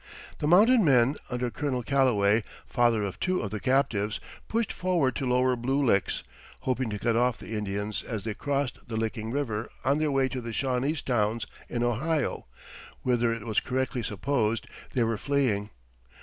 The mounted men, under Colonel Calloway, father of two of the captives, pushed forward to Lower Blue Licks, hoping to cut off the Indians as they crossed the Licking River on their way to the Shawnese towns in Ohio, whither it was correctly supposed they were fleeing.